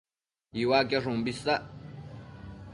Iuaquiosh umbi isac